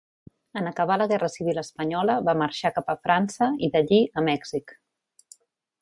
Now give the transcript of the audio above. En acabar la guerra civil espanyola va marxar cap a França, i d'allí a Mèxic.